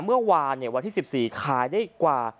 เมื่อวานวันที่๑๔ขายได้กว่า